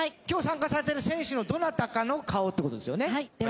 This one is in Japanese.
今日参加されてる選手のどなたかの顔って事ですよね。